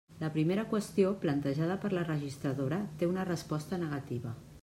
La primera qüestió, plantejada per la registradora, té una resposta negativa.